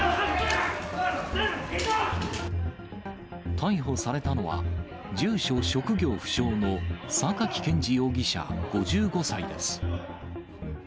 逮捕されたのは、住所・職業不詳の榊賢治容疑者５５歳です。